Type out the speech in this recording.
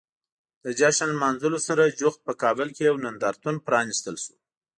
د جشن لمانځلو سره جوخت په کابل کې یو نندارتون پرانیستل شو.